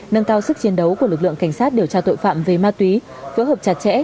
nâng cao sức chiến đấu của lực lượng cảnh sát điều tra tội phạm về ma túy phối hợp chặt chẽ